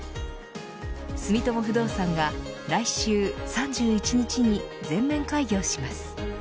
住友不動産が来週３１日に全面開業します。